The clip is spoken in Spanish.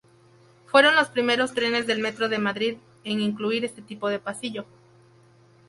Fueron los primeros trenes del Metro de Madrid en incluir este tipo de pasillo.